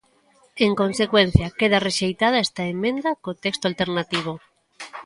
En consecuencia, queda rexeitada esta emenda con texto alternativo.